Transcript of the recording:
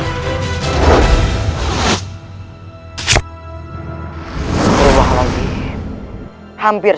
saya akan menjaga kebenaran raden